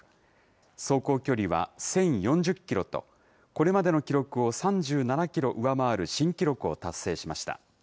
走行距離は１０４０キロと、これまでの記録を３７キロ上回る新記録を達成しました。